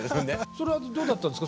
それはどうだったんですか？